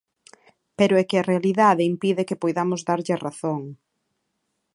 Pero é que a realidade impide que poidamos darlle a razón.